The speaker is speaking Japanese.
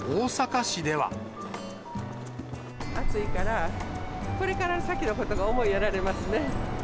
暑いから、これから先のことが思いやられますね。